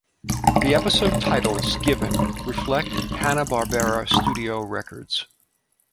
The episode titles given reflect Hanna-Barbera studio records.